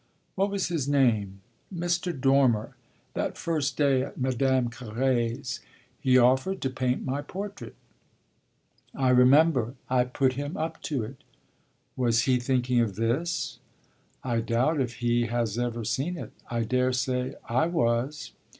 "What was his name? Mr. Dormer; that first day at Madame Carré's. He offered to paint my portrait." "I remember. I put him up to it." "Was he thinking of this?" "I doubt if he has ever seen it. I daresay I was."